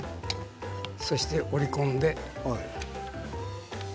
そして折り込んで。